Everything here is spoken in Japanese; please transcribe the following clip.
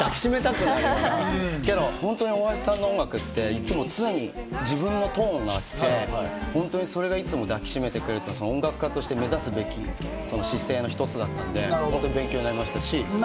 つって抱き締めたくなるような、大橋さんの音楽って常に自分のトーンがあって本当にそれが抱き締めてくれる、音楽家として目指すべき姿勢の一つだったので本当に勉強になりましたし。